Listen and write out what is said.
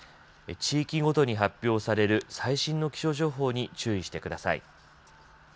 地域ごとに発表される最新の気象情報に注意してください。